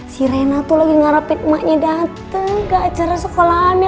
si rena tuh lagi ngarapin emaknya datang ke acara sekolahannya